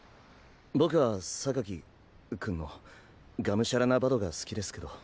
僕は君のがむしゃらなバドが好きですけど。